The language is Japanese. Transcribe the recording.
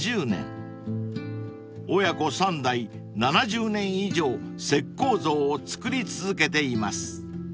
［親子３代７０年以上石こう像を作り続けています］